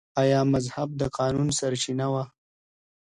آیا مذهب د قانون سرچینه وه؟